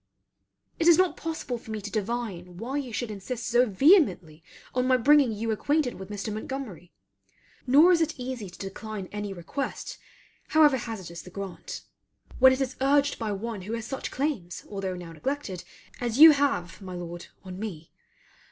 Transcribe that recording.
It is not possible for me to divine why you should insist so vehemently on my bringing you acquainted with Mr. Montgomery; nor is it easy to decline any request however hazardous the grant, when it is urged by one who has such claims, although now neglected, as you have, my Lord, on me.